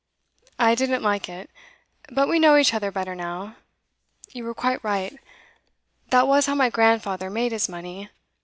'I didn't like it. But we know each other better now. You were quite right. That was how my grandfather made his money.